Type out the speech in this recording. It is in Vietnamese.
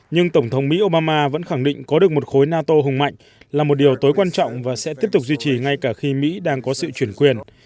nhưng tổng thống mỹ oma vẫn khẳng định có được một khối nato hùng mạnh là một điều tối quan trọng và sẽ tiếp tục duy trì ngay cả khi mỹ đang có sự chuyển quyền